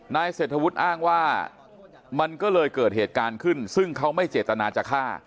นายเศรษฐวุฒิอ้างว่ามันก็เลยเกิดเหตุการณ์ขึ้นซึ่งเขาไม่เจตนาจะฆ่า